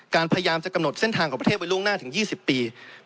พยายามจะกำหนดเส้นทางของประเทศไว้ล่วงหน้าถึง๒๐ปี